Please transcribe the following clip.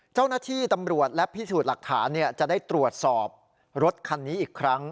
เจ้าหน้าที่ตำรวจและพิสูจน์หลักฐานจะได้ตรวจสอบรถคันนี้อีกครั้ง